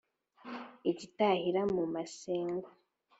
ikitahira mu masenga.